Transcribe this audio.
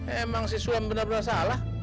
emang si sulam bener bener salah